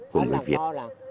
của người việt